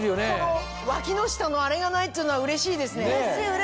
脇の下のあれがないっていうのはうれしいですね。